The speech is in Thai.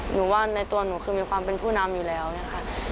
หนูว่าในตัวหนูคือมีความเป็นผู้นำอยู่แล้วเนี่ยค่ะ